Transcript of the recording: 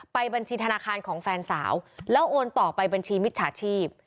บัญชีธนาคารของแฟนสาวแล้วโอนต่อไปบัญชีมิจฉาชีพ